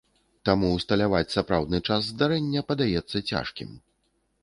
Таму ўсталяваць сапраўдны час здарэння падаецца цяжкім.